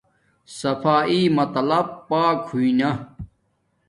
صفایݵ مطلب پاک ہوݵ نا